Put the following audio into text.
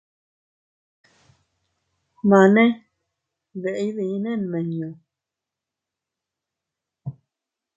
Mane, ¿deʼe iydinne nmiñu?.